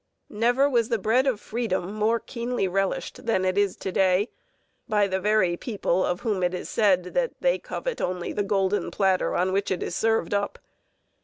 Never was the bread of freedom more keenly relished than it is to day, by the very people of whom it is said that they covet only the golden platter on which it is served up.